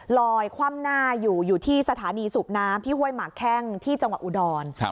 คว่ำหน้าอยู่อยู่ที่สถานีสูบน้ำที่ห้วยหมากแข้งที่จังหวัดอุดร